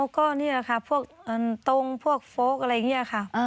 อ๋อก็นี่แหละค่ะพวกอ่าตรงพวกอะไรอย่างเงี้ยค่ะอ่า